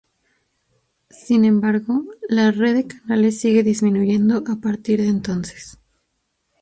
Sin embargo, la red de canales siguió disminuyendo a partir de entonces.